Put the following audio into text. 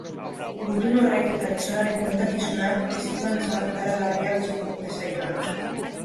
Gutun horrek eta gizonaren kontakizunak testigantza ikaragarria utziko dute saioan.